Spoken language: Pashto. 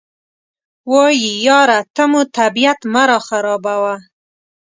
وایي یاره ته مو طبیعت مه راخرابوه.